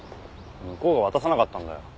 向こうが渡さなかったんだよ。